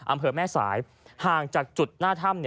อำเภอแม่สายห่างจากจุดหน้าถ้ำ